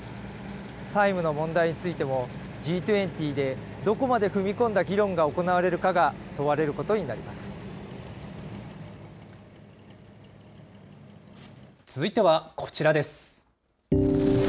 債務の問題についても、Ｇ２０でどこまで踏み込んだ議論が行われるかが問われることにな続いてはこちらです。